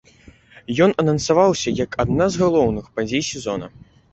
Ён анансаваўся як адна з галоўных падзей сезона.